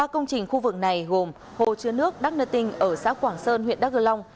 ba công trình khu vực này gồm hồ chứa nước đắk nơ tinh ở xã quảng sơn huyện đắk gơ long